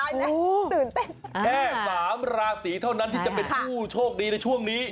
ตื่นเต้นแค่๓ราศีเท่านั้นที่จะเป็นผู้โชคดีในช่วงนี้